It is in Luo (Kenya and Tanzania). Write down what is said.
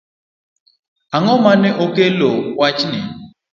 Ang'o mane okelo wach ni?